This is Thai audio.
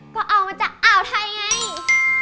ก็เอามาจากอ่าวไทยไง